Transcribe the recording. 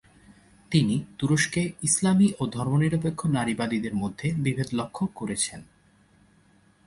তিনি তুরস্কে ইসলামী ও ধর্মনিরপেক্ষ নারীবাদীদের মধ্যে বিভেদ লক্ষ্য করেছেন।